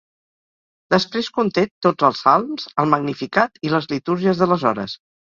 Després conté tots els salms, el Magnificat i les litúrgies de les hores.